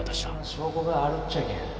証拠があるっちゃけん。